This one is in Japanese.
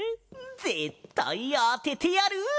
ぜったいあててやる！